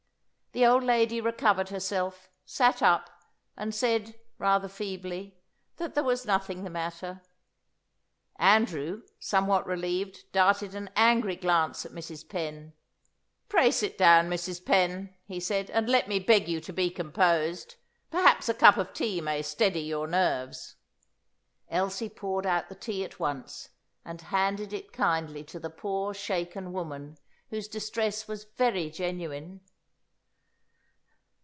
The old lady recovered herself, sat up, and said, rather feebly, that there was nothing the matter. Andrew, somewhat relieved, darted an angry glance at Mrs. Penn. "Pray sit down, Mrs. Penn," he said, "and let me beg you to be composed. Perhaps a cup of tea may steady your nerves." Elsie poured out the tea at once, and handed it kindly to the poor shaken woman, whose distress was very genuine.